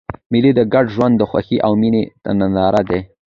مېلې د ګډ ژوند د خوښۍ او میني ننداره ده.